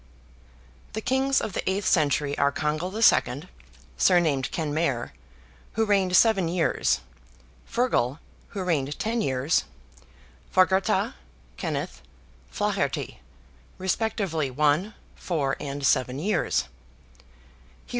The kings of the eighth century are Congal II. (surnamed Kenmare), who reigned seven years; Feargal, who reigned ten years; Forgartah, Kenneth, Flaherty, respectively one, four, and seven years; Hugh V.